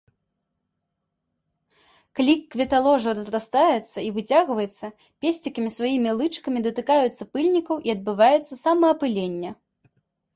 Калі кветаложа разрастаецца і выцягваецца, песцікі сваімі лычыкамі датыкаюцца пыльнікаў і адбываецца самаапыленне.